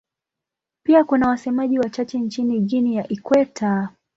Pia kuna wasemaji wachache nchini Guinea ya Ikweta.